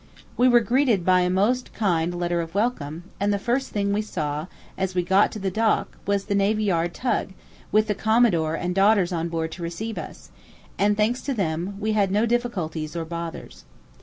We were greeted by a most kind letter of welcome, and the first thing we saw as we got to the dock was the Navy Yard Tug with the Commodore and daughters on board to receive us; and, thanks to them, we had no difficulties or bothers.